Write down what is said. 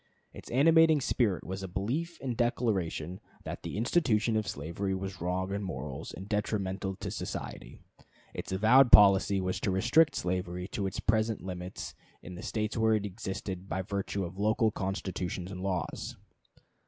Its animating spirit was a belief and declaration that the institution of slavery was wrong in morals and detrimental to society; its avowed policy was to restrict slavery to its present limits in the States where it existed by virtue of local constitutions and laws.